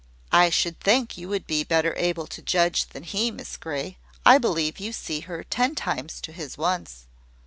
"I should think you would be better able to judge than he, Miss Grey; I believe you see her ten times to his once."